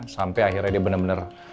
sampai akhirnya dia benar benar